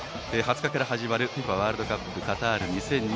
２０日から始まるＦＩＦＡワールドカップカタール２０２２